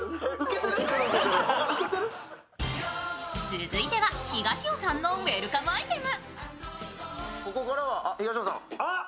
続いては東尾さんのウェルカムアイテム。